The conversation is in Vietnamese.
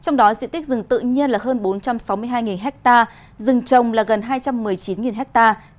trong đó diện tích rừng tự nhiên là hơn bốn trăm sáu mươi hai hectare rừng trồng là gần hai trăm một mươi chín hectare